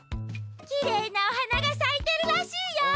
きれいなおはながさいてるらしいよ！